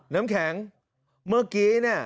น้ำแข็งเมื่อกี้